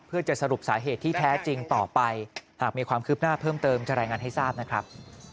เพื่อจะสรุปสาเหตุที่แท้จริงต่อไปหากมีความคืบหน้าเพิ่มเติมจะรายงานให้ทราบนะครับ